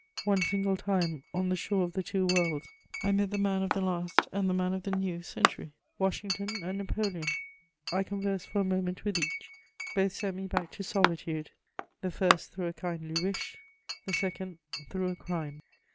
One single time, on the shore of the two worlds, I met the man of the last and the man of the new century: Washington and Napoleon. I conversed for a moment with each; both sent me back to solitude: the first through a kindly wish, the second through a crime.